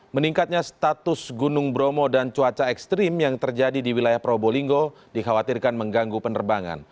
meningkatnya status gunung bromo dan cuaca ekstrim yang terjadi di wilayah probolinggo dikhawatirkan mengganggu penerbangan